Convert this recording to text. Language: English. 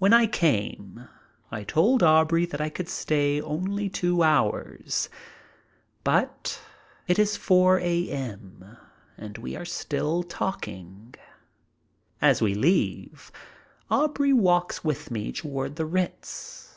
When I came I told Aubrey that I could stay only two hours, but it is 4 a.m. and we are still talking. As we leave Aubrey walks with me toward the Ritz.